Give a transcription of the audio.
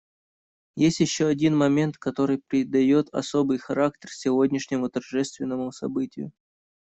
Есть еще один момент, который придает особый характер сегодняшнему торжественному событию.